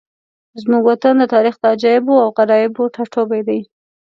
زموږ وطن د تاریخ د عجایبو او غرایبو ټاټوبی دی.